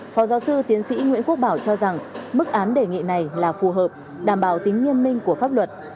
phó giáo sư tiến sĩ nguyễn quốc bảo cho rằng mức án đề nghị này là phù hợp đảm bảo tính nghiêm minh của pháp luật